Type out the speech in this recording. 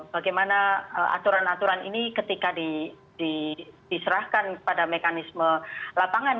bagaimana aturan aturan ini ketika diserahkan pada mekanisme lapangan